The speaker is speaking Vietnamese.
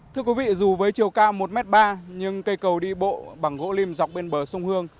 thưa quý vị dù với chiều cao một m ba nhưng cây cầu đi bộ bằng gỗ lim dọc bên bờ sông hương